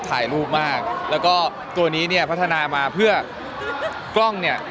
ถ่ายรูปมากแล้วก็ตัวนี้เนี่ยพัฒนามาเพื่อกล้องเนี่ย